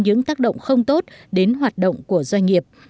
những tác động không tốt đến hoạt động của doanh nghiệp